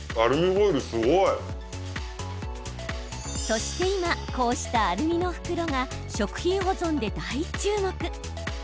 そして今、こうしたアルミの袋が食品保存で大注目。